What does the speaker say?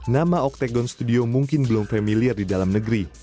nama octagon studio mungkin belum familiar di dalam negeri